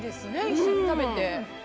一緒に食べて。